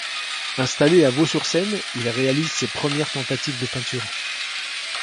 Installé à Vaux-sur-seine, il réalise ses premières tentatives de peinture.